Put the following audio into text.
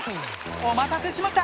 お待たせしました！